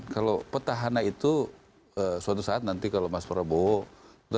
kalau petahana itu suatu saat nanti kalau mas prabowo